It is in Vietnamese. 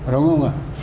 đúng không ạ